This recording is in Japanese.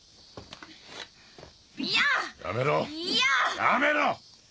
やめろ！